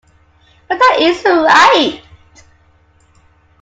But that isn't right.